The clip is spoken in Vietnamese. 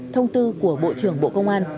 thông tư của bộ trưởng bộ công an